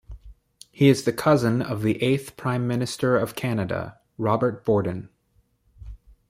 He is the cousin of the eighth Prime Minister of Canada, Robert Borden.